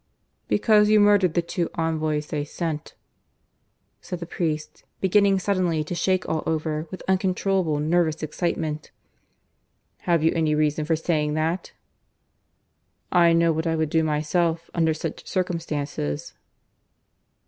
"Because you murdered the two envoys they sent," said the priest, beginning suddenly to shake all over with uncontrollable nervous excitement. "Have you any reason for saying that?" "I know what I would do myself under such circumstances."